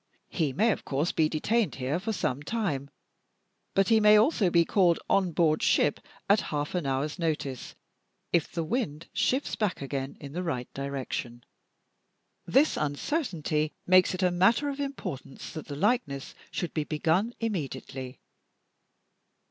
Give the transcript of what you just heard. He may of course be detained here for some time; but he may also be called on board ship at half an hour's notice, if the wind shifts back again in the right direction. This uncertainty makes it a matter of importance that the likeness should be begun immediately.